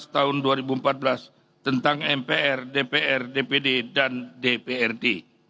tahun dua ribu empat belas tentang mpr dpr dpd dan dprd